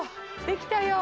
できたよ。